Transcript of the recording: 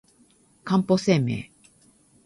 かんぽ生命